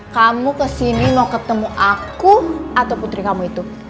kamu kesini mau ketemu aku atau putri kamu itu